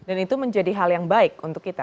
dan itu menjadi hal yang baik untuk kita